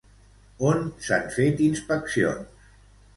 On s'han fet inspeccions?